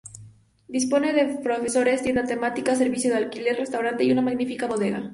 Dispone de profesores, tienda temática, servicio de alquiler, restaurante y una magnífica bodega.